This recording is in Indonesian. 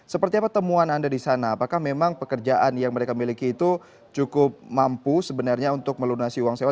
seperti apa temuan anda di sana apakah memang pekerjaan yang mereka miliki itu cukup mampu sebenarnya untuk melunasi uang sewa